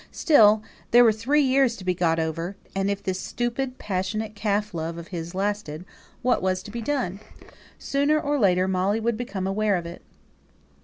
Still there were three years to be got over; and if this stupid passionate calf love of his lasted, what was to be done? Sooner or later Molly would become aware of it.